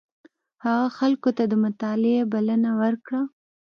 هغه خلکو ته د مطالعې بلنه ورکړه.